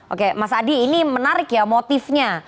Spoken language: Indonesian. oke mas adi ini menarik ya motifnya